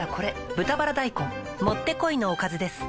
「豚バラ大根」もってこいのおかずです